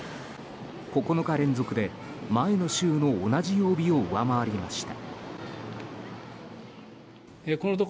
９日連続で、前の週の同じ曜日を上回りました。